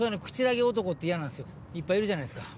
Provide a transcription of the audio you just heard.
いっぱいいるじゃないっすか